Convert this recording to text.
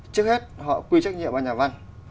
trước hết họ quy trách nhiệm vào nhà văn